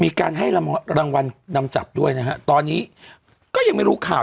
มีการให้รางวัลนำจับด้วยนะฮะตอนนี้ก็ยังไม่รู้ข่าว